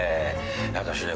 私ね